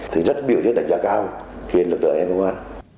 thì rất biểu đất đánh giá cao khiến lực lượng công an